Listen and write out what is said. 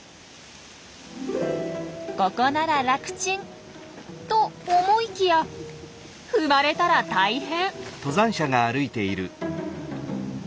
ここなら楽ちんと思いきや踏まれたら大変！